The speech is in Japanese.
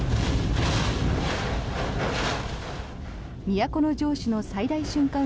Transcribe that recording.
都城市の最大瞬間